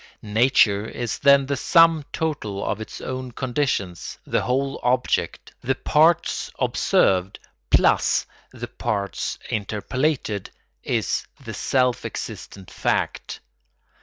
Nature is then the sum total of its own conditions; the whole object, the parts observed plus the parts interpolated, is the self existent fact.